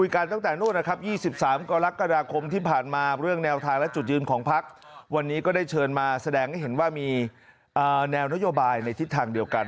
ก็แสดงให้เห็นว่ามีแนวนโยบายในทิศทางเดียวกัน